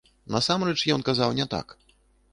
Насамрэч, ён казаў не так.